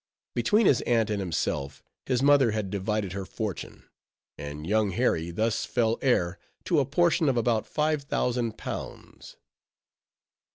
Between his aunt and himself, his mother had divided her fortune; and young Harry thus fell heir to a portion of about five thousand pounds.